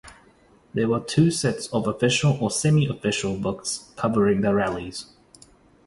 There were two sets of official or semi-official books covering the rallies.